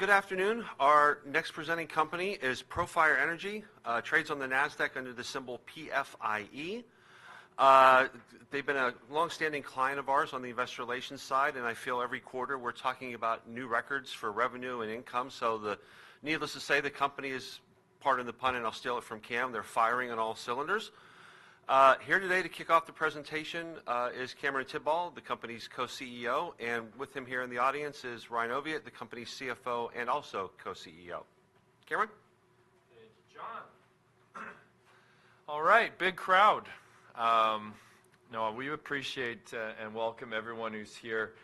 Good afternoon. Our next presenting company is Profire Energy, trades on the NASDAQ under the symbol PFIE. They've been a long-standing client of ours on the investor relations side, and I feel every quarter we're talking about new records for revenue and income. Needless to say, the company is, pardon the pun, and I'll steal it from Cam, they're firing on all cylinders. Here today to kick off the presentation, is Cameron Tidball, the company's Co-CEO, and with him here in the audience is Ryan Oviatt, the company's CFO and also Co-CEO. Cameron? Thank you, John. All right, big crowd. No, we appreciate and welcome everyone who's here.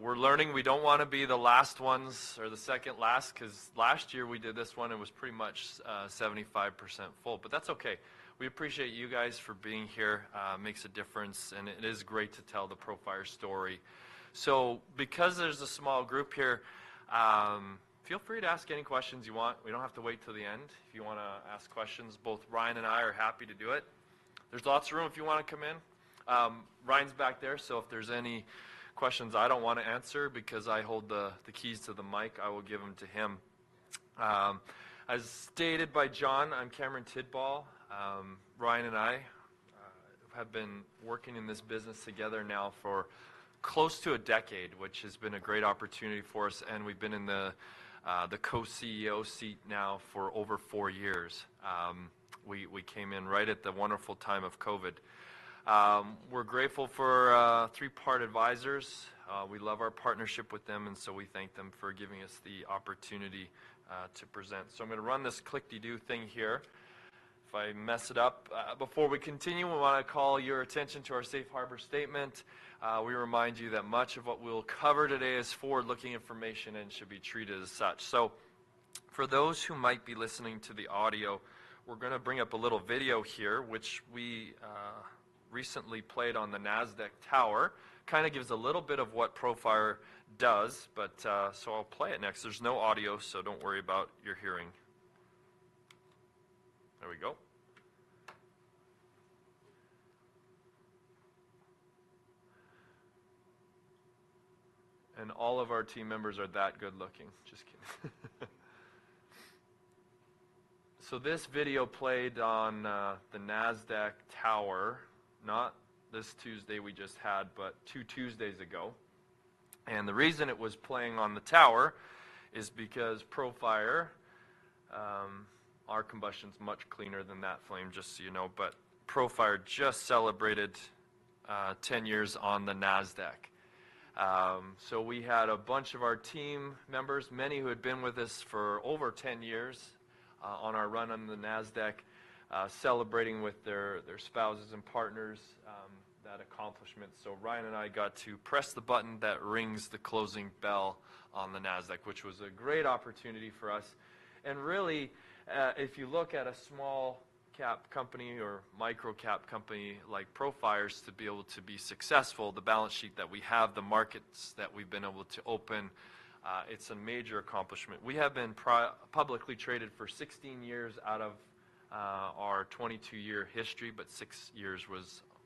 We're learning we don't wanna be the last ones or the second last, 'cause last year we did this one, it was pretty much 75% full. But that's okay. We appreciate you guys for being here. Makes a difference, and it is great to tell the Profire story. So because there's a small group here, feel free to ask any questions you want. We don't have to wait till the end. If you wanna ask questions, both Ryan and I are happy to do it. There's lots of room if you wanna come in. Ryan's back there, so if there's any questions I don't wanna answer because I hold the keys to the mic, I will give them to him. As stated by John, I'm Cameron Tidball. Ryan and I have been working in this business together now for close to a decade, which has been a great opportunity for us, and we've been in the co-CEO seat now for over four years. We came in right at the wonderful time of COVID. We're grateful for Three Part Advisors. We love our partnership with them, and so we thank them for giving us the opportunity to present. So I'm gonna run this clickity-do thing here. If I mess it up... Before we continue, we wanna call your attention to our safe harbor statement. We remind you that much of what we'll cover today is forward-looking information and should be treated as such. So for those who might be listening to the audio, we're gonna bring up a little video here, which we recently played on the NASDAQ tower. Kind of gives a little bit of what Profire does, but, so I'll play it next. There's no audio, so don't worry about your hearing. There we go, and all of our team members are that good-looking. Just kidding, so this video played on the NASDAQ tower, not this Tuesday we just had, but two Tuesdays ago, and the reason it was playing on the tower is because Profire. Our combustion's much cleaner than that flame, just so you know, but Profire just celebrated 10 years on the NASDAQ. So we had a bunch of our team members, many who had been with us for over 10 years, on our run on the NASDAQ, celebrating with their spouses and partners, that accomplishment. So Ryan and I got to press the button that rings the closing bell on the NASDAQ, which was a great opportunity for us. And really, if you look at a small cap company or micro cap company like Profire's, to be able to be successful, the balance sheet that we have, the markets that we've been able to open, it's a major accomplishment. We have been publicly traded for 16 years out of our 22-year history, but 6 years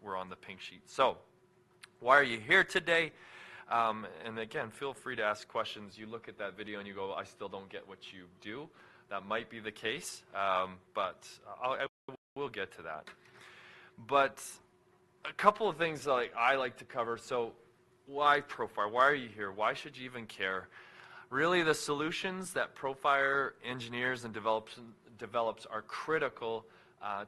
we're on the Pink Sheets. So why are you here today? And again, feel free to ask questions. You look at that video and you go, "I still don't get what you do." That might be the case, but we'll get to that. But a couple of things, like, I like to cover. So why Profire? Why are you here? Why should you even care? Really, the solutions that Profire engineers and develops are critical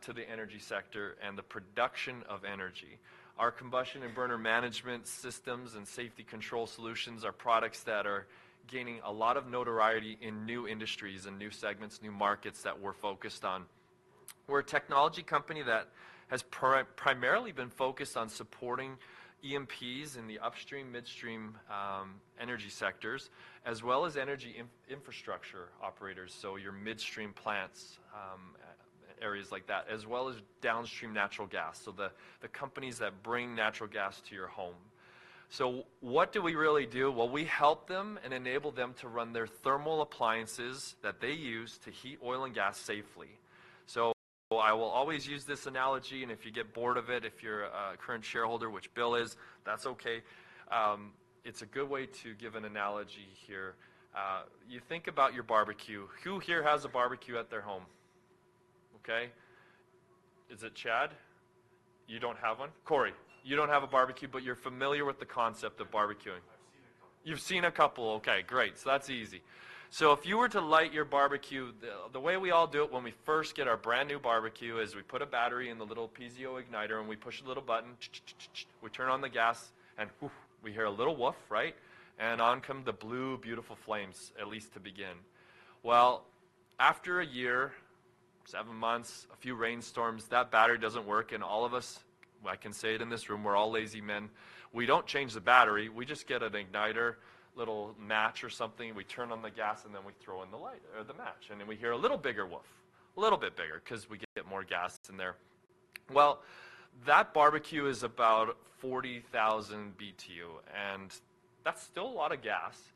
to the energy sector and the production of energy. Our combustion and burner management systems and safety control solutions are products that are gaining a lot of notoriety in new industries and new segments, new markets that we're focused on. We're a technology company that has primarily been focused on supporting OEMs in the upstream, midstream, energy sectors, as well as energy infrastructure operators, so your midstream plants, areas like that, as well as downstream natural gas, so the companies that bring natural gas to your home. So what do we really do? Well, we help them and enable them to run their thermal appliances that they use to heat oil and gas safely. So I will always use this analogy, and if you get bored of it, if you're a current shareholder, which Bill is, that's okay. It's a good way to give an analogy here. You think about your barbecue. Who here has a barbecue at their home? Okay. Is it Chad? You don't have one? Corey, you don't have a barbecue, but you're familiar with the concept of barbecuing. You've seen a couple. Okay, great. So that's easy. So if you were to light your barbecue the way we all do it when we first get our brand-new barbecue is we put a battery in the little piezo igniter, and we push a little button, ch-ch-ch-ch-ch. We turn on the gas, and woof, we hear a little woof, right? And on come the blue, beautiful flames, at least to begin. Well, after a year, seven months, a few rainstorms, that battery doesn't work, and all of us, I can say it in this room, we're all lazy men. We don't change the battery. We just get a lighter, little match or something, and we turn on the gas, and then we throw in the lighter or the match, and then we hear a little bigger woof, a little bit bigger, 'cause we get more gas in there. That barbecue is about forty thousand BTU, and that's still a lot of gas.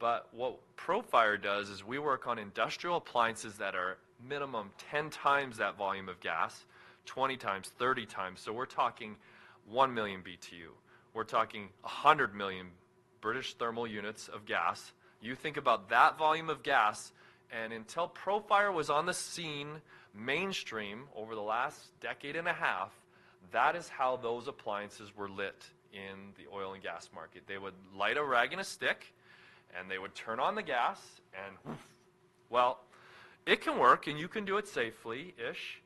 But what Profire does is we work on industrial appliances that are minimum ten times that volume of gas, twenty times, thirty times. So we're talking one million BTU. We're talking a hundred million British thermal units of gas. You think about that volume of gas, and until Profire was on the scene mainstream over the last decade and a half, that is how those appliances were lit in the oil and gas market. They would light a rag and a stick, and they would turn on the gas, and well, it can work, and you can do it safely-ish,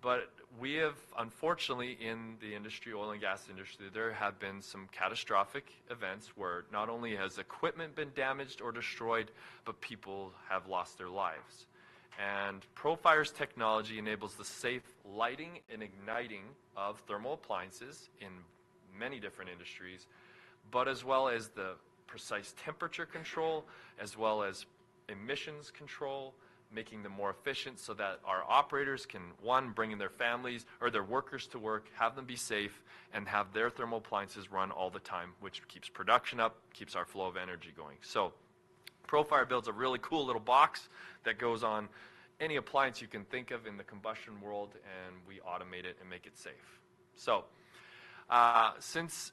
but we have, unfortunately, in the industry, oil and gas industry, there have been some catastrophic events where not only has equipment been damaged or destroyed, but people have lost their lives. Profire's technology enables the safe lighting and igniting of thermal appliances in many different industries, but as well as the precise temperature control, as well as emissions control, making them more efficient so that our operators can, one, bring in their families or their workers to work, have them be safe, and have their thermal appliances run all the time, which keeps production up, keeps our flow of energy going. Profire builds a really cool little box that goes on any appliance you can think of in the combustion world, and we automate it and make it safe. Since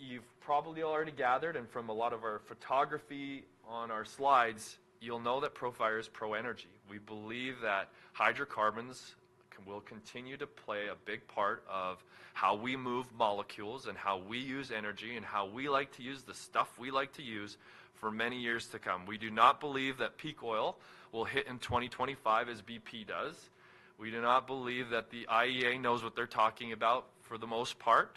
you've probably already gathered, and from a lot of our photography on our slides, you'll know that Profire is pro energy. We believe that hydrocarbons will continue to play a big part of how we move molecules and how we use energy and how we like to use the stuff we like to use for many years to come. We do not believe that peak oil will hit in twenty twenty-five as BP does. We do not believe that the IEA knows what they're talking about for the most part.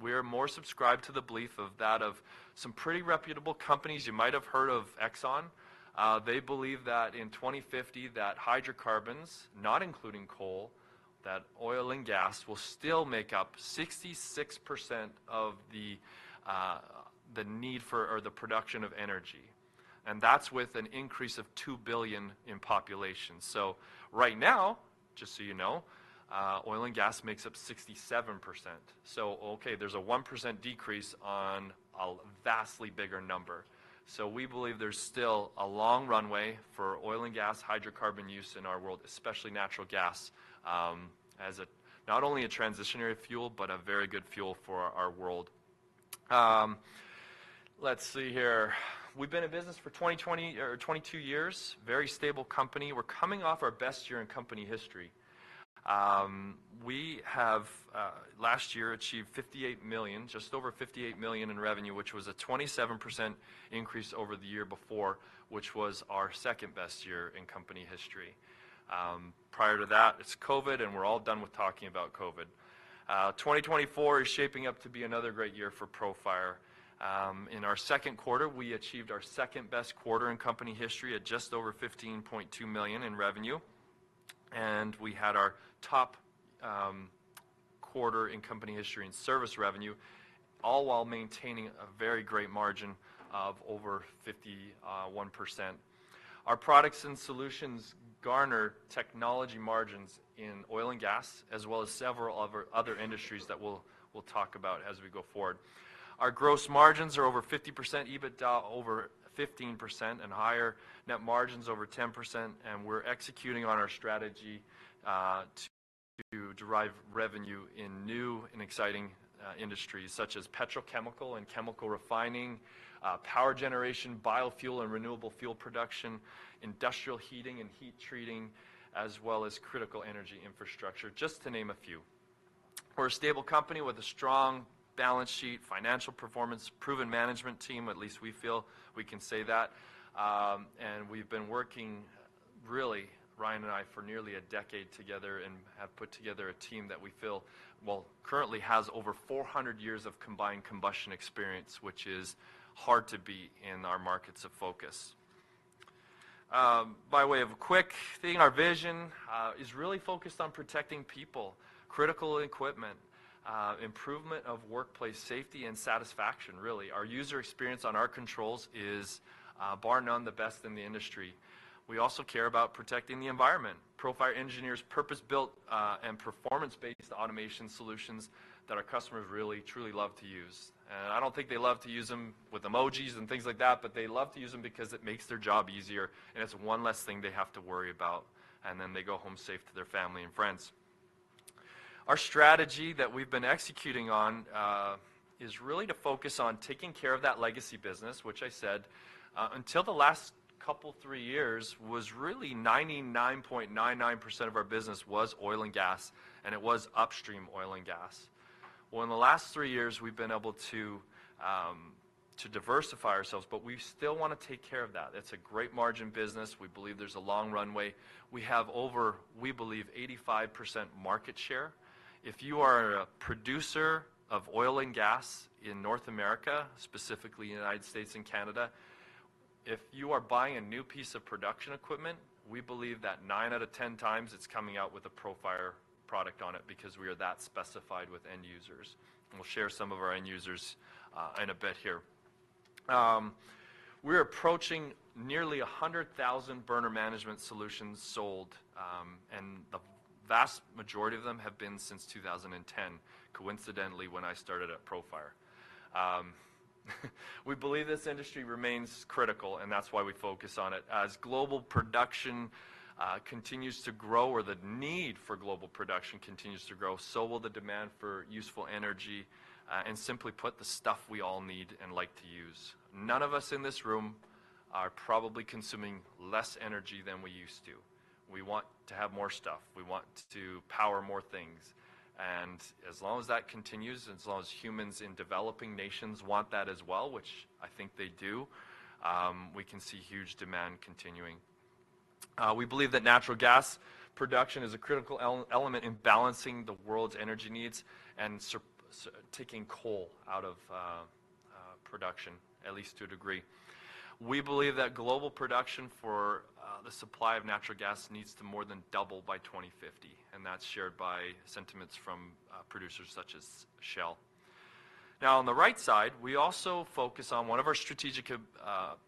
We are more subscribed to the belief of that of some pretty reputable companies. You might have heard of Exxon. They believe that in twenty fifty, that hydrocarbons, not including coal, that oil and gas will still make up 66% of the need for or the production of energy, and that's with an increase of 2 billion in population. So right now, just so you know, oil and gas makes up 67%. Okay, there's a 1% decrease on a vastly bigger number. We believe there's still a long runway for oil and gas hydrocarbon use in our world, especially natural gas, as a not only a transitionary fuel, but a very good fuel for our world. Let's see here. We've been in business for twenty or twenty-two years, very stable company. We're coming off our best year in company history. We have last year achieved $58 million, just over $58 million in revenue, which was a 27% increase over the year before, which was our second-best year in company history. Prior to that, it's COVID, and we're all done with talking about COVID. 2024 is shaping up to be another great year for Profire. In our second quarter, we achieved our second-best quarter in company history at just over $15.2 million in revenue, and we had our top quarter in company history and service revenue, all while maintaining a very great margin of over 51%. Our products and solutions garner technology margins in oil and gas, as well as several other industries that we'll talk about as we go forward. Our gross margins are over 50%, EBITDA over 15% and higher, net margins over 10%, and we're executing on our strategy to derive revenue in new and exciting industries, such as petrochemical and chemical refining, power generation, biofuel and renewable fuel production, industrial heating and heat treating, as well as critical energy infrastructure, just to name a few. We're a stable company with a strong balance sheet, financial performance, proven management team. At least we feel we can say that. We've been working, really, Ryan and I, for nearly a decade together and have put together a team that we feel... Currently has over four hundred years of combined combustion experience, which is hard to beat in our markets of focus. By way of a quick thing, our vision is really focused on protecting people, critical equipment, improvement of workplace safety and satisfaction, really. Our user experience on our controls is, bar none, the best in the industry. We also care about protecting the environment. Profire engineers purpose-built, and performance-based automation solutions that our customers really, truly love to use. And I don't think they love to use them with emojis and things like that, but they love to use them because it makes their job easier, and it's one less thing they have to worry about, and then they go home safe to their family and friends. Our strategy that we've been executing on is really to focus on taking care of that legacy business, which I said until the last couple, three years, was really 99.99% of our business was oil and gas, and it was upstream oil and gas. Well, in the last three years, we've been able to diversify ourselves, but we still wanna take care of that. It's a great margin business. We believe there's a long runway. We have over, we believe, 85% market share. If you are a producer of oil and gas in North America, specifically United States and Canada, if you are buying a new piece of production equipment, we believe that nine out of ten times, it's coming out with a Profire product on it because we are that specified with end users, and we'll share some of our end users in a bit here. We're approaching nearly a hundred thousand burner management solutions sold, and the vast majority of them have been since 2010, coincidentally, when I started at Profire. We believe this industry remains critical, and that's why we focus on it. As global production continues to grow or the need for global production continues to grow, so will the demand for useful energy, and simply put, the stuff we all need and like to use. None of us in this room are probably consuming less energy than we used to. We want to have more stuff. We want to power more things, and as long as that continues, as long as humans in developing nations want that as well, which I think they do, we can see huge demand continuing. We believe that natural gas production is a critical element in balancing the world's energy needs and taking coal out of production, at least to a degree. We believe that global production for the supply of natural gas needs to more than double by 2050, and that's shared by sentiments from producers such as Shell. Now, on the right side, we also focus on. One of our strategic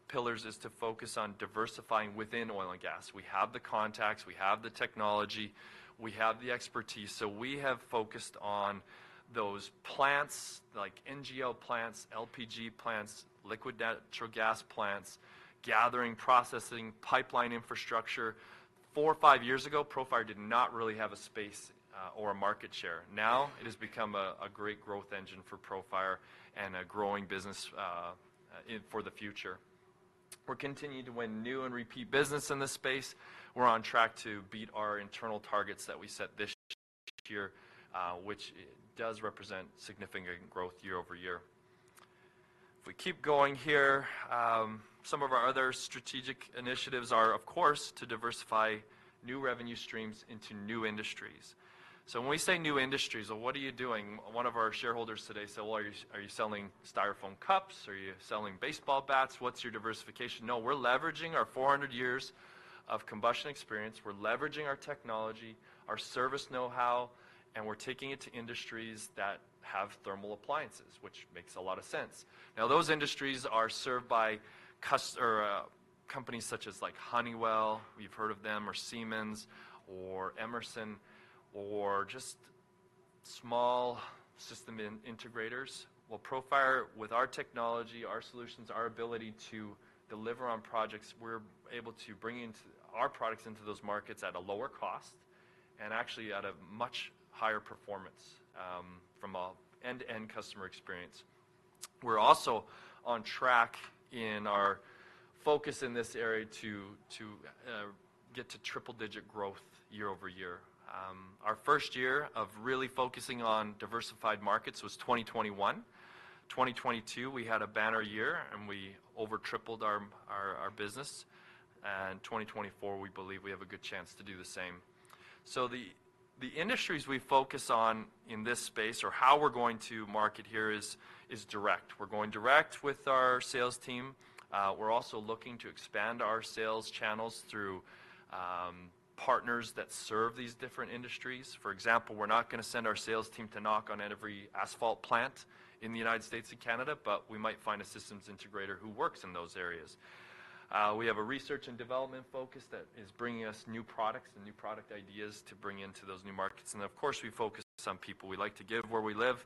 pillars is to focus on diversifying within oil and gas. We have the contacts, we have the technology, we have the expertise, so we have focused on those plants, like NGL plants, LPG plants, liquefied natural gas plants, gathering, processing, pipeline infrastructure. Four or five years ago, Profire did not really have a space, or a market share. Now, it has become a great growth engine for Profire and a growing business, for the future. We're continuing to win new and repeat business in this space. We're on track to beat our internal targets that we set this year, which does represent significant growth year over year. If we keep going here, some of our other strategic initiatives are, of course, to diversify new revenue streams into new industries. So when we say new industries, well, what are you doing? One of our shareholders today said, "Well, are you, are you selling Styrofoam cups? Are you selling baseball bats? What's your diversification?" No, we're leveraging our four hundred years of combustion experience. We're leveraging our technology, our service know-how, and we're taking it to industries that have thermal appliances, which makes a lot of sense. Now, those industries are served by companies such as like Honeywell, you've heard of them, or Siemens or Emerson or just small system integrators. Profire, with our technology, our solutions, our ability to deliver on projects, we're able to bring our products into those markets at a lower cost and actually at a much higher performance, from an end-to-end customer experience. We're also on track in our focus in this area to get to triple-digit growth year over year. Our first year of really focusing on diversified markets was 2021. 2022, we had a banner year, and we over tripled our business. 2024, we believe we have a good chance to do the same. So the industries we focus on in this space or how we're going to market here is direct. We're going direct with our sales team. We're also looking to expand our sales channels through partners that serve these different industries. For example, we're not gonna send our sales team to knock on every asphalt plant in the United States and Canada, but we might find a systems integrator who works in those areas. We have a research and development focus that is bringing us new products and new product ideas to bring into those new markets. And of course, we focus on people. We like to give where we live,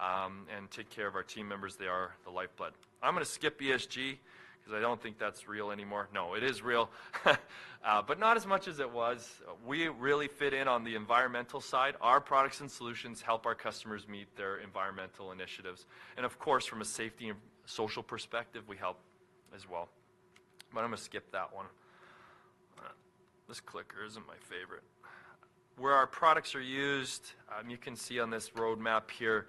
and take care of our team members. They are the lifeblood. I'm gonna skip ESG, 'cause I don't think that's real anymore. No, it is real, but not as much as it was. We really fit in on the environmental side. Our products and solutions help our customers meet their environmental initiatives, and of course, from a safety and social perspective, we help as well. But I'm gonna skip that one. This clicker isn't my favorite. Where our products are used, you can see on this roadmap here,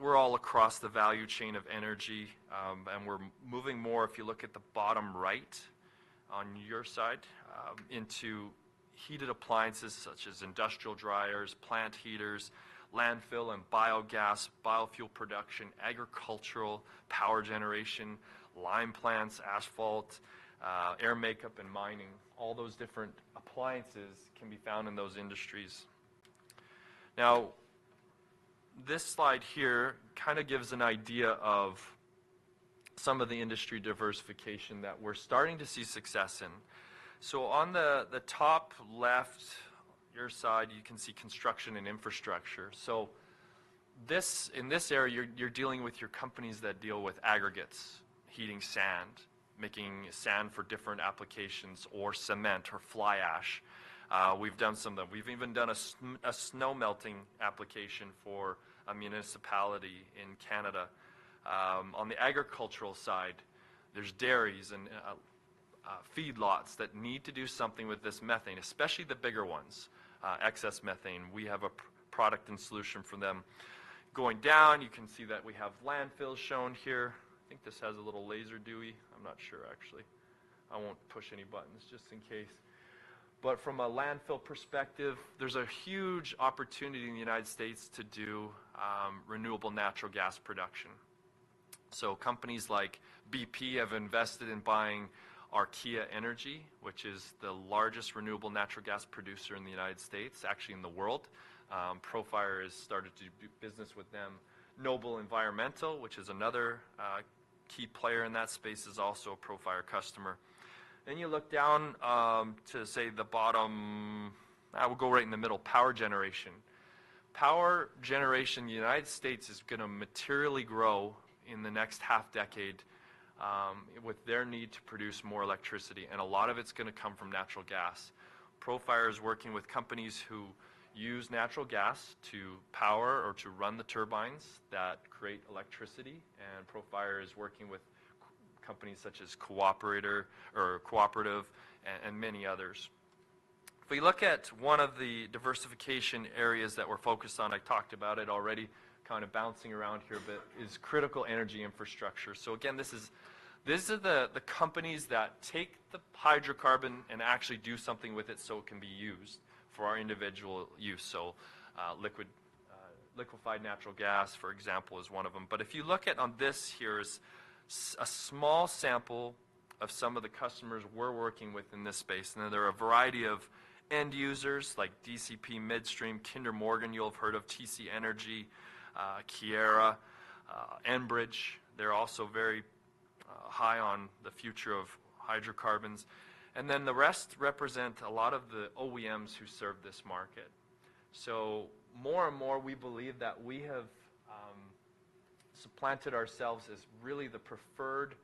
we're all across the value chain of energy, and we're moving more, if you look at the bottom right, on your side, into heated appliances such as industrial dryers, plant heaters, landfill and biogas, biofuel production, agricultural, power generation, lime plants, asphalt, air makeup, and mining. All those different appliances can be found in those industries. Now, this slide here kind of gives an idea of some of the industry diversification that we're starting to see success in. So on the top left, your side, you can see construction and infrastructure. So this, in this area, you're dealing with your companies that deal with aggregates, heating sand, making sand for different applications or cement or fly ash. We've done some of them. We've even done a snow-melting application for a municipality in Canada. On the agricultural side, there's dairies and feedlots that need to do something with this methane, especially the bigger ones' excess methane. We have a product and solution for them. Going down, you can see that we have landfills shown here. I think this has a little laser dewy. I'm not sure, actually. I won't push any buttons, just in case. But from a landfill perspective, there's a huge opportunity in the United States to do renewable natural gas production. So companies like BP have invested in buying Archaea Energy, which is the largest renewable natural gas producer in the United States, actually in the world. Profire has started to do business with them. Noble Environmental, which is another key player in that space, is also a Profire customer. Then you look down to, say, the bottom... I will go right in the middle: power generation. Power generation in the United States is gonna materially grow in the next half decade with their need to produce more electricity, and a lot of it's gonna come from natural gas. Profire is working with companies who use natural gas to power or to run the turbines that create electricity, and Profire is working with companies such as Cooper or Cooperative and many others. If we look at one of the diversification areas that we're focused on, I talked about it already, kind of bouncing around here a bit, is critical energy infrastructure. So again, this is the companies that take the hydrocarbon and actually do something with it so it can be used for our individual use. So, liquefied natural gas, for example, is one of them. But if you look at on this here is a small sample of some of the customers we're working with in this space, and then there are a variety of end users like DCP Midstream, Kinder Morgan, you'll have heard of TC Energy, Keyera, Enbridge. They're also very high on the future of hydrocarbons. And then the rest represent a lot of the OEMs who serve this market. So more and more, we believe that we have supplanted ourselves as really the preferred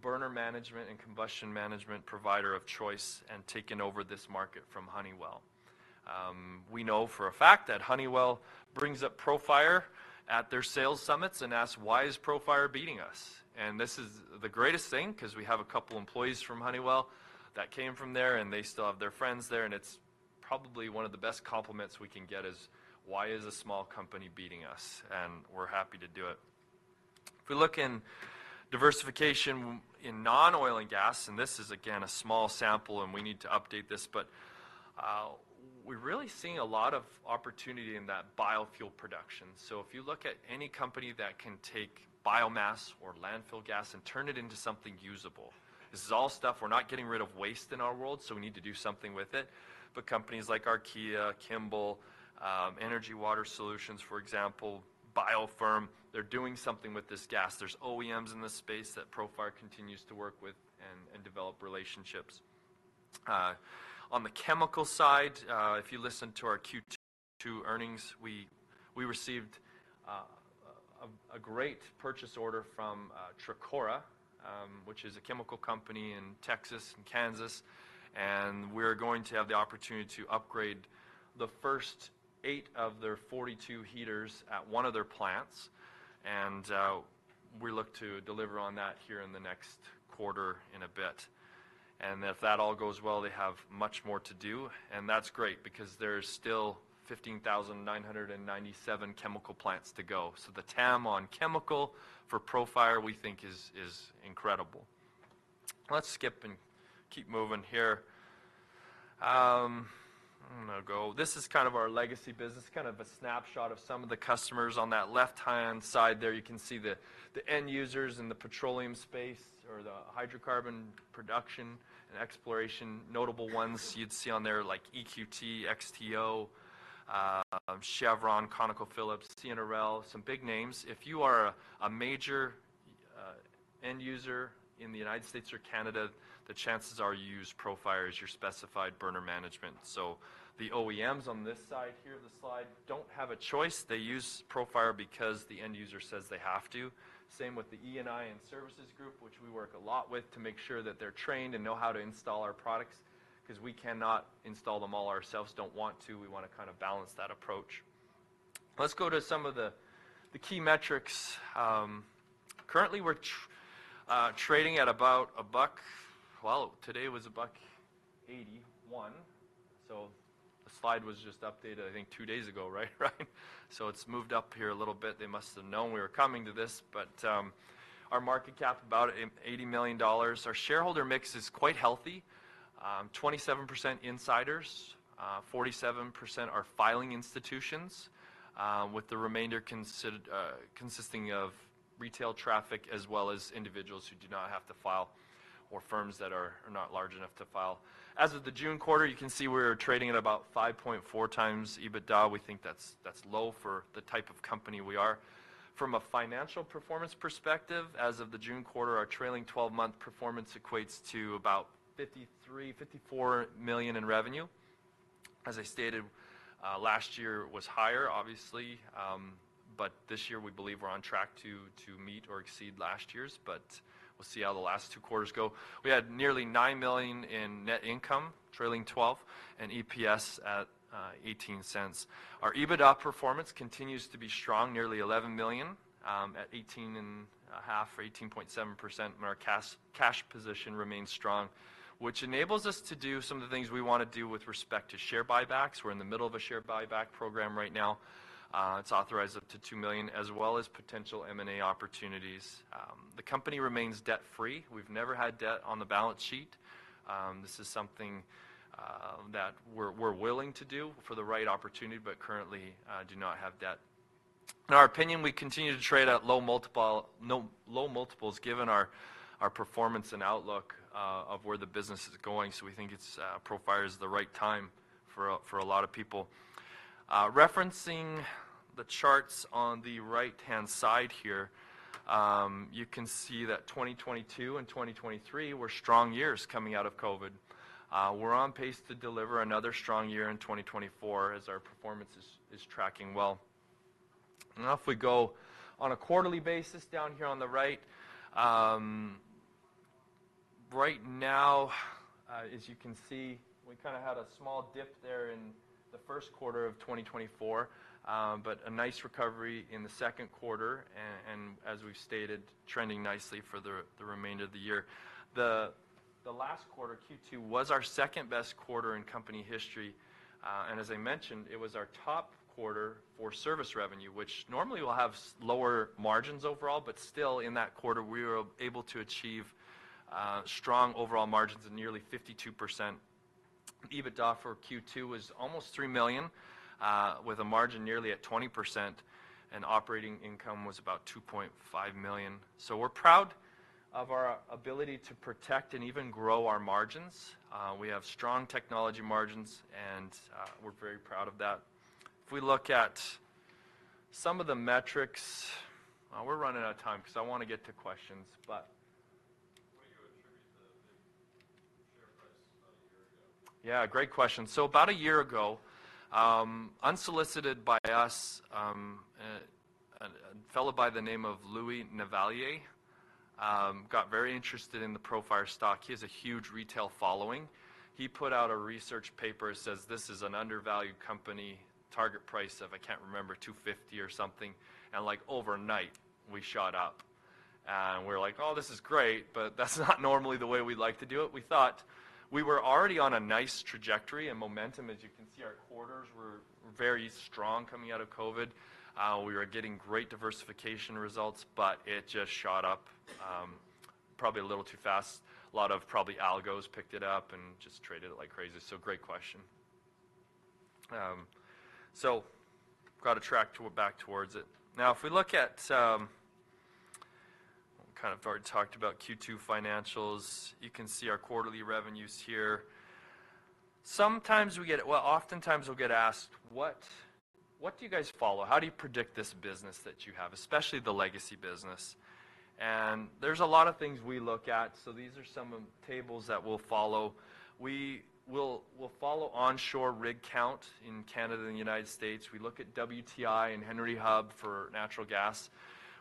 burner management and combustion management provider of choice and taken over this market from Honeywell. We know for a fact that Honeywell brings up Profire at their sales summits and asks, "Why is Profire beating us?" And this is the greatest thing 'cause we have a couple employees from Honeywell that came from there, and they still have their friends there, and it's probably one of the best compliments we can get is, "Why is a small company beating us?" And we're happy to do it. If we look in diversification in non-oil and gas, and this is again, a small sample, and we need to update this, but, we're really seeing a lot of opportunity in that biofuel production. So if you look at any company that can take biomass or landfill gas and turn it into something usable, this is all stuff. We're not getting rid of waste in our world, so we need to do something with it. But companies like Archaea, Kimble, Energy Water Solutions, for example, BIOFerm, they're doing something with this gas. There's OEMs in this space that Profire continues to work with and develop relationships. On the chemical side, if you listen to our Q2 earnings, we received a great purchase order from Trecora, which is a chemical company in Texas and Kansas, and we're going to have the opportunity to upgrade the first eight of their 42 heaters at one of their plants. And we look to deliver on that here in the next quarter in a bit. And if that all goes well, they have much more to do, and that's great because there's still 15997 chemical plants to go. So the TAM on chemical for Profire, we think is incredible. Let's skip and keep moving here. I'm gonna go... This is kind of our legacy business, kind of a snapshot of some of the customers. On that left-hand side there, you can see the end users in the petroleum space or the hydrocarbon production and exploration. Notable ones you'd see on there, like EQT, XTO, Chevron, ConocoPhillips, CNRL, some big names. If you are a major end user in the United States or Canada, the chances are you use Profire as your specified burner management. So the OEMs on this side here of the slide don't have a choice. They use Profire because the end user says they have to. Same with the E&I and Services group, which we work a lot with to make sure that they're trained and know how to install our products, 'cause we cannot install them all ourselves, don't want to. We wanna kinda balance that approach. Let's go to some of the, the key metrics. Currently, we're trading at about $1... Well, today was $1.81, so the slide was just updated, I think, two days ago, right? Right. So it's moved up here a little bit. They must have known we were coming to this, but, our market cap about $80 million. Our shareholder mix is quite healthy, 27% insiders, 47% are filing institutions, with the remainder considered consisting of retail traffic, as well as individuals who do not have to file, or firms that are not large enough to file. As of the June quarter, you can see we're trading at about 5.4x EBITDA. We think that's low for the type of company we are. From a financial performance perspective, as of the June quarter, our trailing 12-month performance equates to about $53 million-$54 million in revenue. As I stated, last year was higher, obviously, but this year we believe we're on track to meet or exceed last year's, but we'll see how the last two quarters go. We had nearly $9 million in net income, trailing twelve, and EPS at $0.18. Our EBITDA performance continues to be strong, nearly $11 million at 18.5% or 18.7%, and our cash position remains strong, which enables us to do some of the things we wanna do with respect to share buybacks. We're in the middle of a share buyback program right now. It's authorized up to 2 million, as well as potential M and A opportunities. The company remains debt-free. We've never had debt on the balance sheet. This is something that we're willing to do for the right opportunity, but currently do not have debt. In our opinion, we continue to trade at low multiples, given our performance and outlook of where the business is going, so we think it's Profire is the right time for a lot of people. Referencing the charts on the right-hand side here, you can see that 2022 and 2023 were strong years coming out of COVID. We're on pace to deliver another strong year in 2024 as our performance is tracking well. Now, if we go on a quarterly basis down here on the right, right now, as you can see, we kinda had a small dip there in the first quarter of 2024, but a nice recovery in the second quarter, and as we've stated, trending nicely for the remainder of the year. The last quarter, Q2, was our second-best quarter in company history, and as I mentioned, it was our top quarter for service revenue, which normally will have lower margins overall, but still, in that quarter, we were able to achieve strong overall margins of nearly 52%. EBITDA for Q2 was almost $3 million, with a margin nearly at 20%, and operating income was about $2.5 million. So we're proud of our ability to protect and even grow our margins. We have strong technology margins, and, we're very proud of that. If we look at some of the metrics... Well, we're running out of time, 'cause I wanna get to questions, but- Why do you attribute the share price about a year ago? Yeah, great question. So about a year ago, unsolicited by us, a fellow by the name of Louis Navellier got very interested in the Profire stock. He has a huge retail following. He put out a research paper that says, "This is an undervalued company," target price of, I can't remember, 250 or something, and, like, overnight, we shot up, and we're like, "Oh, this is great," but that's not normally the way we like to do it. We thought we were already on a nice trajectory and momentum. As you can see, our quarters were very strong coming out of COVID. We were getting great diversification results, but it just shot up, probably a little too fast. A lot of probably algos picked it up and just traded it like crazy, so great question. Now, if we look at. We've kind of already talked about Q2 financials. You can see our quarterly revenues here. Sometimes we get. Well, oftentimes we'll get asked, "What, what do you guys follow? How do you predict this business that you have, especially the legacy business?" And there's a lot of things we look at, so these are some of the tables that we'll follow. We will, we'll follow onshore rig count in Canada and the United States. We look at WTI and Henry Hub for natural gas.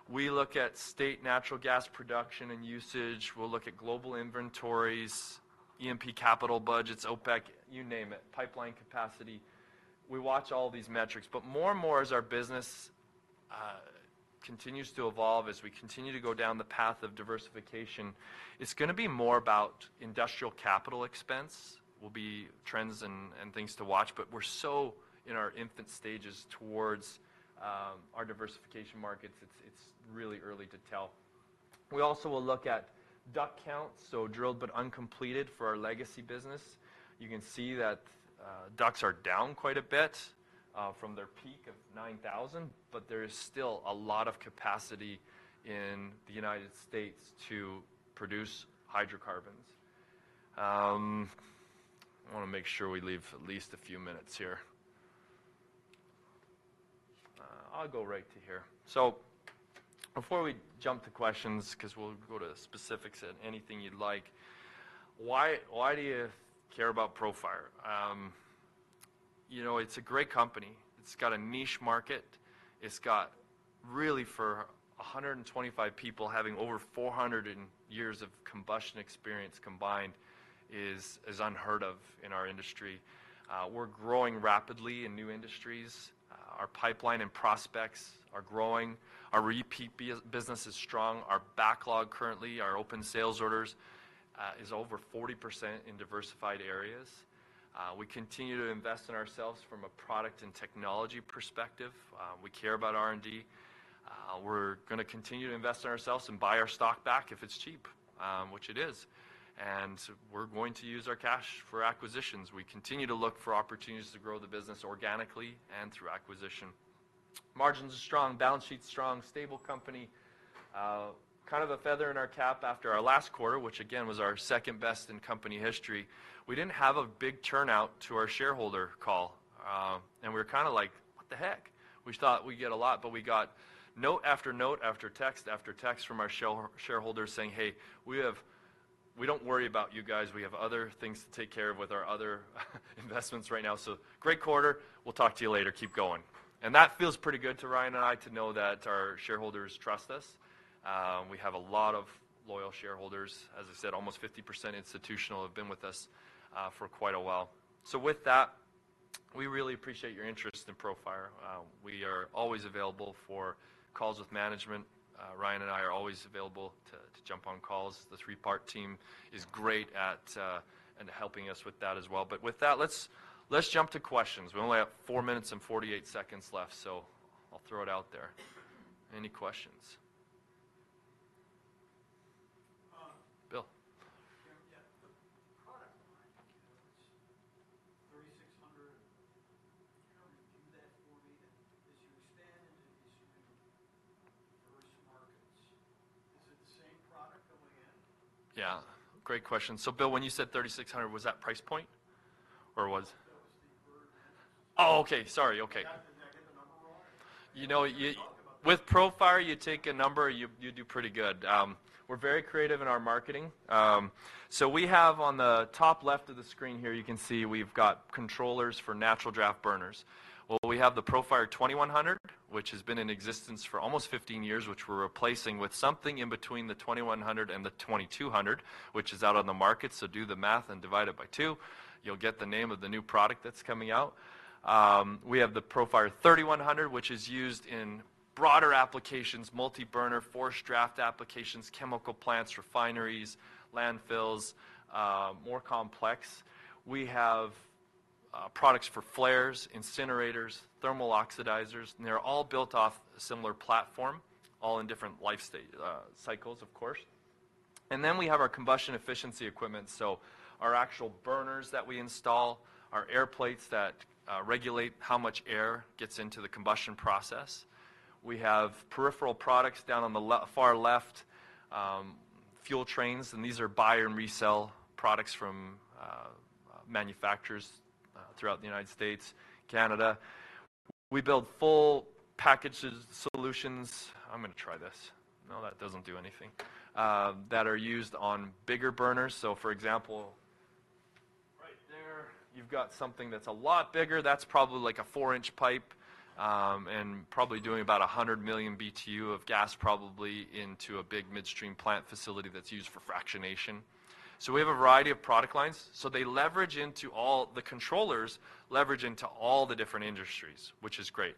We look at state natural gas production and usage. We'll look at global inventories, E&P capital budgets, OPEC, you name it, pipeline capacity. We watch all these metrics, but more and more, as our business continues to evolve, as we continue to go down the path of diversification, it's gonna be more about industrial capital expense, will be trends and things to watch, but we're so in our infant stages towards our diversification markets. It's really early to tell. We also will look at DUC count, so drilled but uncompleted for our legacy business. You can see that DUCs are down quite a bit from their peak of 9,000, but there is still a lot of capacity in the United States to produce hydrocarbons. I wanna make sure we leave at least a few minutes here. I'll go right to here. So before we jump to questions, 'cause we'll go to specifics and anything you'd like, why, why do you care about Profire? You know, it's a great company. It's got a niche market. It's got... Really, for 125 people, having over 400 years of combustion experience combined is unheard of in our industry. We're growing rapidly in new industries. Our pipeline and prospects are growing. Our repeat business is strong. Our backlog currently, our open sales orders, is over 40% in diversified areas. We continue to invest in ourselves from a product and technology perspective. We care about R&D. We're gonna continue to invest in ourselves and buy our stock back if it's cheap, which it is, and we're going to use our cash for acquisitions. We continue to look for opportunities to grow the business organically and through acquisition. Margins are strong, balance sheet's strong, stable company. Kind of a feather in our cap after our last quarter, which again, was our second best in company history. We didn't have a big turnout to our shareholder call, and we were kind of like, "What the heck?" We thought we'd get a lot, but we got note after note after text after text from our shareholders saying, "Hey, we have... We don't worry about you guys. We have other things to take care of with our other investments right now, so great quarter. We'll talk to you later. Keep going." That feels pretty good to Ryan and I, to know that our shareholders trust us. We have a lot of loyal shareholders. As I said, almost 50% institutional have been with us for quite a while. So with that, we really appreciate your interest in Profire. We are always available for calls with management. Ryan and I are always available to jump on calls. The Three Part team is great at and helping us with that as well. But with that, let's jump to questions. We only have four minutes and 48 seconds left, so I'll throw it out there. Any questions? Uh- Bill. Yeah, the product line, it's 3,600. Can you do that for me? As you expand into these new diverse markets, is it the same product going in? Yeah, great question. So Bill, when you said 3,600, was that price point, or was- That was the burn hours. Oh, okay. Sorry, okay. Did I get the number wrong? You know, you- We talked about that. With Profire, you take a number, you do pretty good. We're very creative in our marketing. So we have on the top left of the screen here, you can see we've got controllers for natural draft burners. Well, we have the Profire 2100, which has been in existence for almost 15 years, which we're replacing with something in between the 2100 and the 2200, which is out on the market. So do the math and divide it by two, you'll get the name of the new product that's coming out. We have the Profire 3100, which is used in broader applications, multi-burner, forced draft applications, chemical plants, refineries, landfills, more complex. We have products for flares, incinerators, thermal oxidizers, and they're all built off a similar platform, all in different life cycles, of course. And then we have our combustion efficiency equipment, so our actual burners that we install, our air plates that regulate how much air gets into the combustion process. We have peripheral products down on the far left, fuel trains, and these are buy and resell products from manufacturers throughout the United States, Canada. We build full package solutions that are used on bigger burners. So, for example, right there, you've got something that's a lot bigger. That's probably, like, a four-inch pipe, and probably doing about 100 million BTU of gas probably into a big midstream plant facility that's used for fractionation. So we have a variety of product lines. So they leverage into all the controllers, leverage into all the different industries, which is great.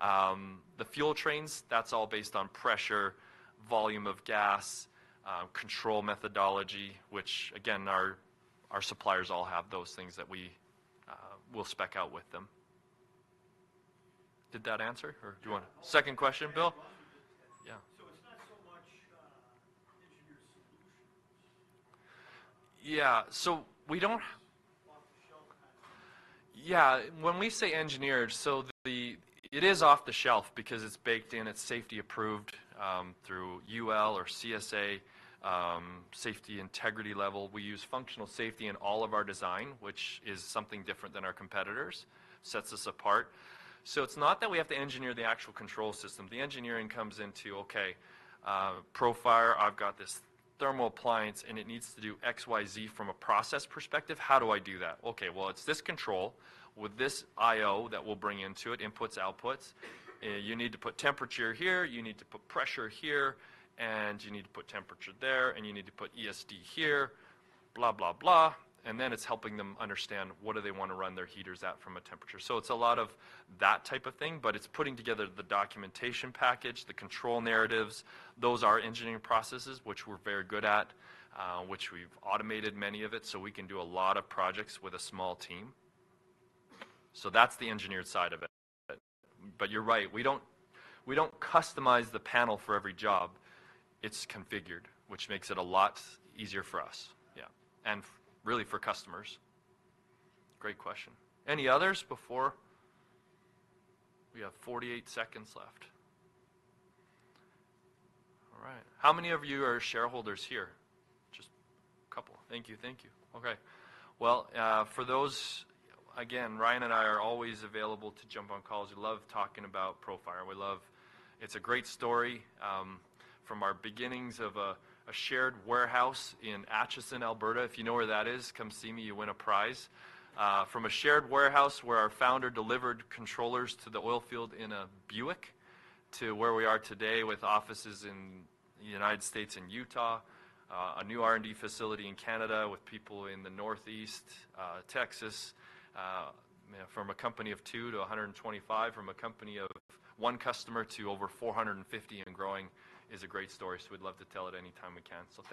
The fuel trains, that's all based on pressure, volume of gas, control methodology, which again, our suppliers all have those things that we, we'll spec out with them. Did that answer, or do you want a second question, Bill? Yeah, it was. Yeah. So it's not so much engineered solutions? Yeah, so we don't- Off-the-shelf kind of thing. Yeah, when we say engineered, so the, it is off the shelf because it's baked in, it's safety approved, through UL or CSA, safety integrity level. We use functional safety in all of our design, which is something different than our competitors, sets us apart. So it's not that we have to engineer the actual control system. The engineering comes into, okay, Profire, I've got this thermal appliance, and it needs to do XYZ from a process perspective. How do I do that? Okay, well, it's this control with this IO that we'll bring into it, inputs, outputs. You need to put temperature here, you need to put pressure here, and you need to put temperature there, and you need to put ESD here, blah, blah, blah. And then it's helping them understand what do they want to run their heaters at from a temperature. So it's a lot of that type of thing, but it's putting together the documentation package, the control narratives. Those are engineering processes, which we're very good at, which we've automated many of it, so we can do a lot of projects with a small team. So that's the engineered side of it. But you're right, we don't, we don't customize the panel for every job. It's configured, which makes it a lot easier for us, yeah, and really for customers. Great question. Any others before we have 48 seconds left. All right. How many of you are shareholders here? Just a couple. Thank you, thank you. Okay. Well, for those, again, Ryan and I are always available to jump on calls. We love talking about Profire. We love... It's a great story, from our beginnings of a shared warehouse in Acheson, Alberta. If you know where that is, come see me, you win a prize. From a shared warehouse where our founder delivered controllers to the oil field in a Buick, to where we are today with offices in the United States and Utah, a new R&D facility in Canada with people in the Northeast, Texas, you know, from a company of two to 125, from a company of one customer to over four hundred and fifty and growing, is a great story, so we'd love to tell it anytime we can, so-